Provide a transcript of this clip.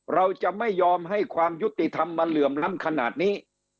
เราจะไม่ยอมให้ความยุติธรรมมาเหลื่อมล้ำขนาดนี้